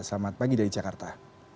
selamat pagi dari jakarta